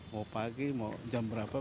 mau pagi mau jam berapa